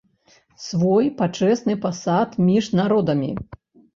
Свой пачэсны пасад між народамі!